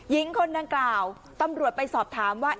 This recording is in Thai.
หญิงคนดังกล่าวตำรวจไปสอบถามว่า